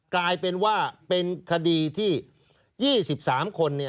กลายเป็นว่าเป็นคดีที่๒๓คน